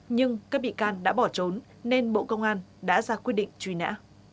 nhưng các bị can đã bỏ trốn nên bộ công an đã ra quyết định truy nã